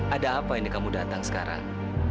ada apa ini kamu datang sekarang